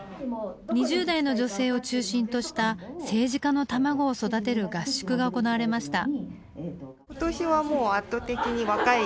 ２０代の女性を中心とした政治家の卵を育てる合宿が行われました。